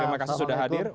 terima kasih sudah hadir